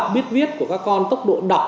biết viết của các con tốc độ đọc